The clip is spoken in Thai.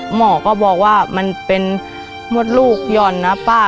หมอก็บอกว่ามันเป็นมดลูกหย่อนนะป้า